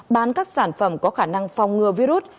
bán các sản phẩm có khả năng phong ngừa virus